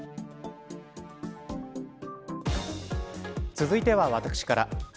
続いては私から。